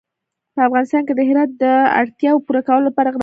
په افغانستان کې د هرات د اړتیاوو پوره کولو لپاره اقدامات کېږي.